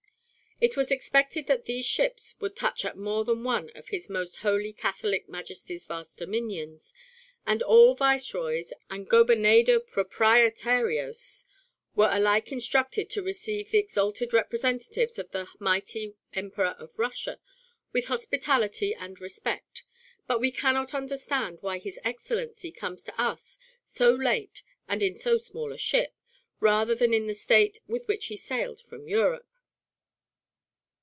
It was expected that these ships would touch at more than one of His Most Holy Catholic Majesty's vast dominions, and all viceroys and gobernador proprietarios were alike instructed to receive the exalted representatives of the mighty Emperor of Russia with hospitality and respect. But we cannot understand why his excellency comes to us so late and in so small a ship, rather than in the state with which he sailed from Europe."